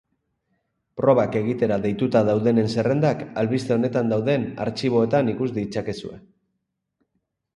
Probak egitera deituta daudenen zerrendak albiste honetan dauden artxiboetan ikus ditzakezue.